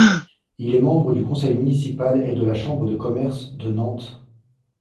Il est membre du conseil municipal et de la Chambre de Commerce de Nantes.